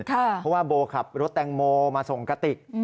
เพราะว่าโบขับรถแตงโมมาส่งกะติก